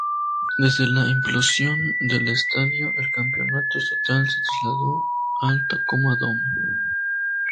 Desde la implosión del estadio el campeonato estatal se trasladó al Tacoma Dome.